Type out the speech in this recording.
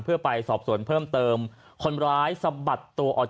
เพื่อไปสอบสวนเพิ่มเติมคนร้ายสะบัดตัวออกจาก